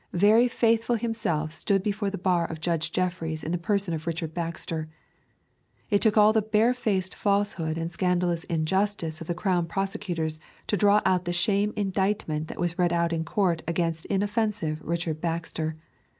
Very Faithful himself stood before the bar of Judge Jeffreys in the person of Richard Baxter. It took all the barefaced falsehood and scandalous injustice of the crown prosecutors to draw out the sham indictment that was read out in court against inoffensive Richard Baxter.